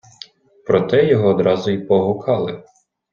Проте його одразу й погукали.